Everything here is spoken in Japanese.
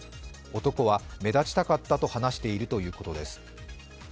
男は目立ちたかったと話しているということです。